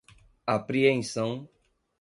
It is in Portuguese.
apreensão